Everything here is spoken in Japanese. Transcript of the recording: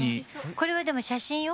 これはでも写真用。